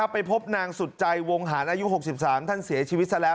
ไปพบนางสุดใจวงหารอายุ๖๓ท่านเสียชีวิตซะแล้ว